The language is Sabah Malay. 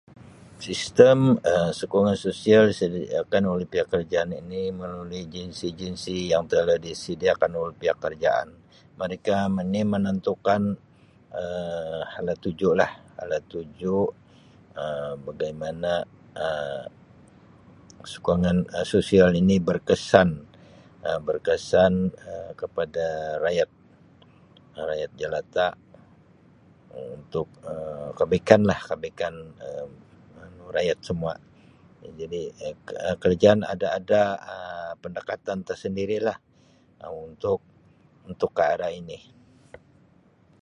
Sistem Um sokongan sosial disediakan oleh pihak kerajaan ini melalui agensi-agensi yang telah disediakan oleh pihak kerajaan mereka ni menentukan Um hala-tuju lah hala-tuju Um bagaimana Um sokongan sosial ini berkesan Um berkesan Um kepada rayat rayat jelata untuk Um kebaikan lah kebaikan Um rayat semua jadi Um kerajaan ada-ada Um pendekatan tersendiri lah untuk untuk ke arah ini.